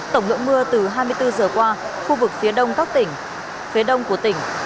tổng lượng mưa từ hai mươi bốn giờ qua khu vực phía đông các tỉnh phía đông của tỉnh